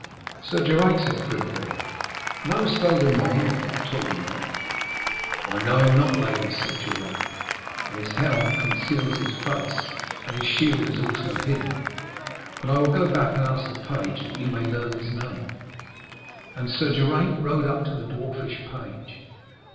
'Sir Geraint,' said Gwenevere, 'knowest thou the name of that tall knight?' 'I know him not, lady,' said Geraint, 'and his helm conceals his face, and his shield is also hidden. But I will go and ask the page, that you may learn his name.' And Sir Geraint rode up to the dwarfish page.